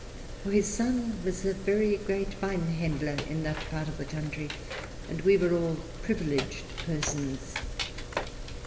For his son was a very great Weinhandler in that part of the country, and we were all privileged persons.